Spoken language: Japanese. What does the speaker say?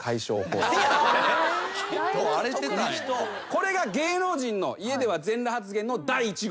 これが芸能人の家では全裸発言の第１号。